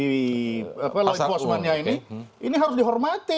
di pos mania ini ini harus dihormati